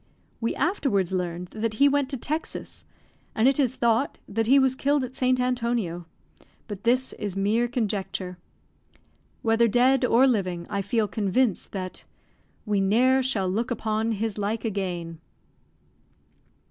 We afterwards learned that he went to Texas, and it is thought that he was killed at St. Antonio; but this is mere conjecture. Whether dead or living, I feel convinced that "We ne'er shall look upon his like again."